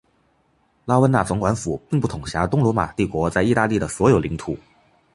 拉温纳总管府并不统辖东罗马帝国在意大利的所有领土。